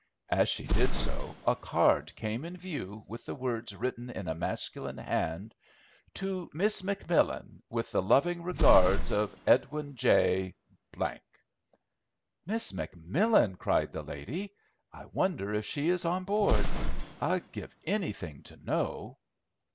As she did so a card came in view with the words written in a masculine hand— To Miss McMillan, With the loving regards of Edwin J— "Miss McMillan!" cried the lady; "I wonder if she is on board? I'd give anything to know."